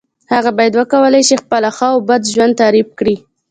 هغه باید وکولای شي خپله ښه او بد ژوند تعریف کړی.